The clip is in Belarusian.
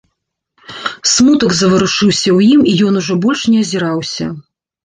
Смутак заварушыўся ў ім, і ён ужо больш не азіраўся.